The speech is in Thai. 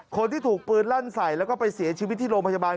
คนที่ถูกปืนลั่นใส่แล้วก็ไปเสียชีวิตที่โรงพยาบาล